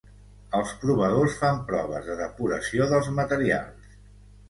Els provadors fan proves de depuració dels materials.